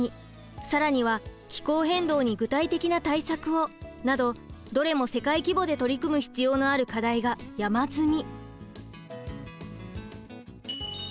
更には「気候変動に具体的な対策を」などどれも世界規模で取り組む必要のある課題が山積み。